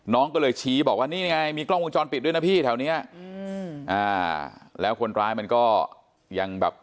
น้องก็เลยชี้บอกว่านี่ไงมีกล้องวงจรปิดด้วยนะพี่แถวเนี้ยอืมอ่าแล้วคนร้ายมันก็ยังแบบ